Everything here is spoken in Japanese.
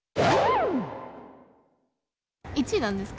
１位なんですか？